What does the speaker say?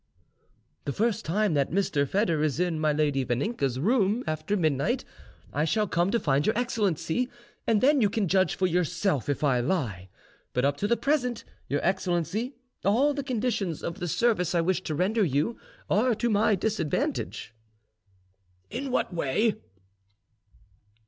"The first time that Mr. Foedor is in my lady Vaninka's room after midnight, I shall come to find your excellency, and then you can judge for yourself if I lie; but up to the present, your excellency, all the conditions of the service I wish to render you are to my disadvantage." "In what way?"